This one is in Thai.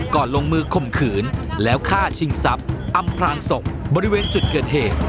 ลงมือข่มขืนแล้วฆ่าชิงทรัพย์อำพลางศพบริเวณจุดเกิดเหตุ